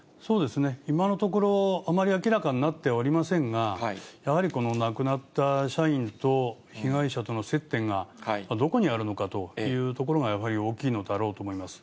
今のところ、あまり明らかになっておりませんが、やはりこの亡くなった社員と被害者との接点がどこにあるのかというところが、やはり大きいのだろうと思います。